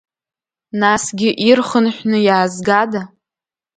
Насгьы, ирхынҳәны иаазгада?